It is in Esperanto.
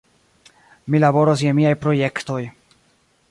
Mi laboros je miaj projektoj.